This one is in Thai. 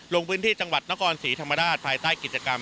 ลงพื้นที่จังหวัดนครศรีธรรมราชภายใต้กิจกรรม